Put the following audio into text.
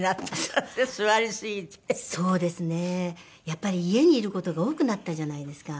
やっぱり家にいる事が多くなったじゃないですか。